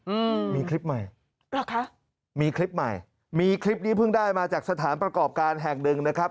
อืมมีคลิปใหม่เหรอคะมีคลิปใหม่มีคลิปนี้เพิ่งได้มาจากสถานประกอบการแห่งหนึ่งนะครับ